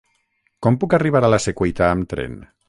Com puc arribar a la Secuita amb tren?